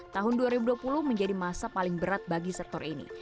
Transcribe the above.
tahun dua ribu dua puluh menjadi masa paling berat bagi sektor ini